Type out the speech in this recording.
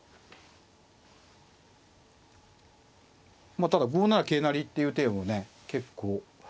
まあただ５七桂成っていう手もね結構。